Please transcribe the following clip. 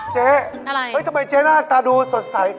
เจ๊อะไรเจ๊ทำไมเจ๊หน้าตาดูสดใส